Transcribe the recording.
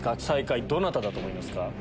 最下位どなただと思いますか？